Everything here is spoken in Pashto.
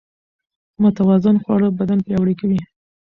متوازن خواړه بدن پياوړی کوي.